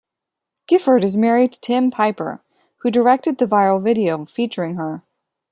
Gifford is married to Tim Piper, who directed the viral video featuring her.